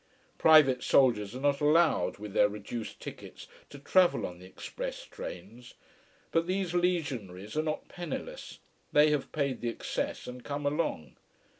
Private soldiers are not allowed, with their reduced tickets, to travel on the express trains. But these legionaries are not penniless: they have paid the excess and come along.